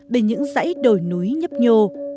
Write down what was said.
bên những dãy đồi núi nhấp nhô